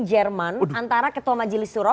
jerman antara ketua majelis suro